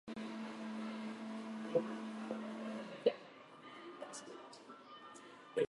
みなさん、こんにちは。私は大学生です。福祉を専門に勉強していますが、データサイエンスをはじめとした幅広い学問にも触れるようにしています。